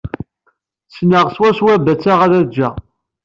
Ssneɣ swa swa batta ɣad ǧǧeɣ.